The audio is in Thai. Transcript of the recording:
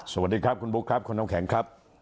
สวัสดีครับคุณบุ๊คครับคุณน้ำแข็งครับ